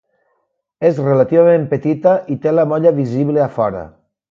És relativament petita i té la molla visible a fora.